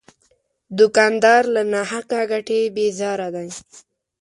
دوکاندار له ناحقه ګټې بیزاره دی.